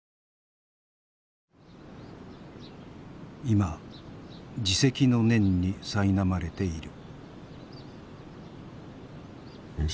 今自責の念にさいなまれている。